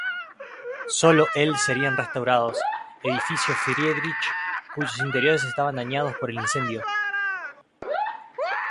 Sólo el serían restaurados edificio Friedrich, cuyos interiores estaban dañados por el incendio.